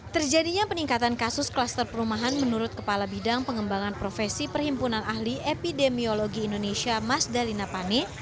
terjadinya peningkatan kasus klaster perumahan menurut kepala bidang pengembangan profesi perhimpunan ahli epidemiologi indonesia mas dalina pane